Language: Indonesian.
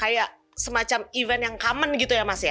kayak semacam event yang common gitu ya mas ya